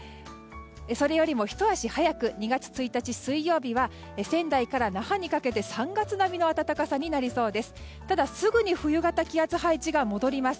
それよりもひと足早く２月１日水曜日は仙台から那覇にかけて３月並みの暖かさになりそうです。